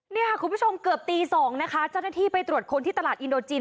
นี่ค่ะคุณผู้ชมเกือบตี๒นะคะเจ้าหน้าที่ไปตรวจคนที่ตลาดอินโดจิน